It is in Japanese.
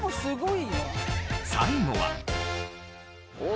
最後は。